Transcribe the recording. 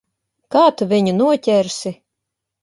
Kā tu viņu noķersi?